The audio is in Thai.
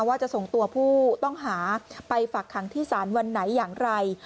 ว่าจะส่งตัวผู้ต้องหาไปฝากขังที่ศาลวันไหนอย่างไร